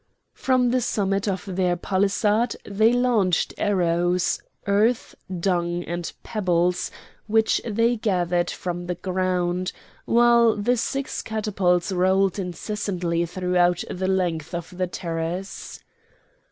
From the summit of their palisade they launched arrows, earth, dung, and pebbles which they gathered from the ground, while the six catapults rolled incessantly throughout the length of the terrace.